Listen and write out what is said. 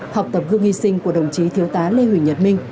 học tập gương hy sinh của đồng chí thiếu tá lê huỳnh nhật minh